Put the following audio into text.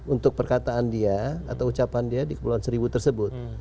untuk perkataan dia atau ucapan dia di kepulauan seribu tersebut